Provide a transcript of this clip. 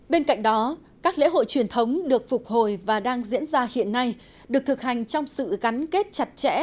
bên cạnh đó các lễ hội truyền thống được phục hồi và đang diễn ra hiện nay được thực hành trong sự gắn kết chặt chẽ